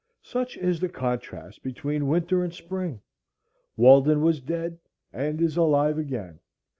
Such is the contrast between winter and spring. Walden was dead and is alive again.